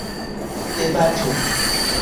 debato